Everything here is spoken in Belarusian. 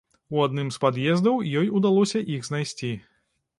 У адным з пад'ездаў ёй удалося іх знайсці.